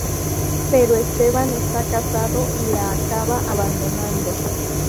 Pero Esteban está casado y la acaba abandonando.